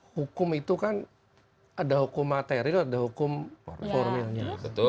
hukum itu kan ada hukum materil ada hukum formilnya